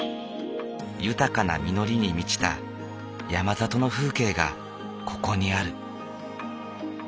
豊かな実りに満ちた山里の風景がここにある。